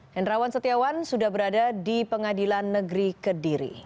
hendrawan setiawan sudah berada di pengadilan negeri kediri